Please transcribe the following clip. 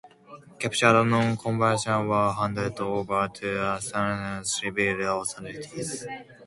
Captured non-combatants were handed over to Assamese civil authorities.